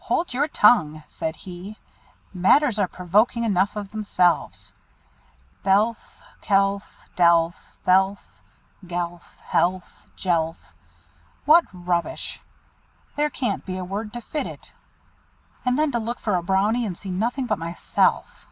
"Hold your tongue!" said he. "Matters are provoking enough of themselves. Belf! Celf! Delf! Felf! Gelf! Helf! Jelf! What rubbish! There can't be a word to fit it. And then to look for a Brownie, and see nothing but myself!"